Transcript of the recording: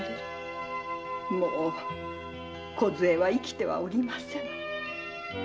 もうこずえは生きてはおりません。